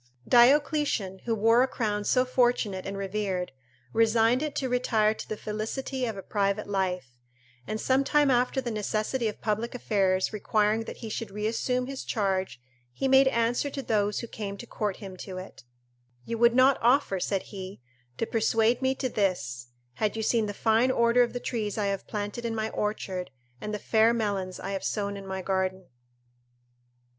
Diocletian, who wore a crown so fortunate and revered, resigned it to retire to the felicity of a private life; and some time after the necessity of public affairs requiring that he should reassume his charge, he made answer to those who came to court him to it: "You would not offer," said he, "to persuade me to this, had you seen the fine order of the trees I have planted in my orchard, and the fair melons I have sown in my garden."